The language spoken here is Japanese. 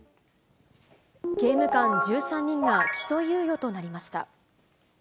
刑務官１３人が起訴猶予となりました。